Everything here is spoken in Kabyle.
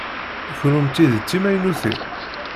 Kennemti d timaynutin?